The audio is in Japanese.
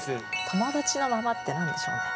「友達のまま」って何でしょうね。